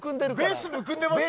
ベースむくんでますよ。